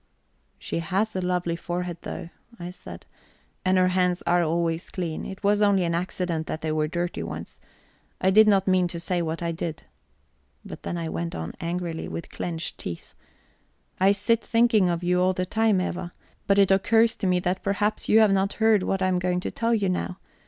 "She has a lovely forehead, though," I said, "and her hands are always clean. It was only an accident that they were dirty once. I did not mean to say what I did." But then I went on angrily, with clenched teeth: "I sit thinking of you all the time, Eva; but it occurs to me that perhaps you have not heard what I am going to tell you now.